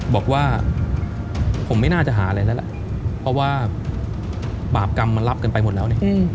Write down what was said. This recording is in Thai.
บอกว่าผมไม่น่าจะหาอะไรแล้วล่ะเพราะว่าบาปกรรมมันรับกันไปหมดแล้วเนี่ย